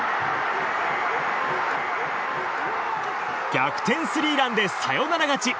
逆転スリーランでサヨナラ勝ち！